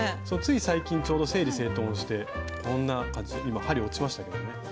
そうつい最近ちょうど整理整頓してこんな感じ今針落ちましたけどね。